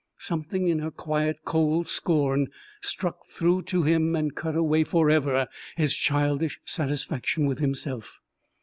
Something in her quiet, cold scorn struck through to him and cut away forever his childish satisfaction with himself.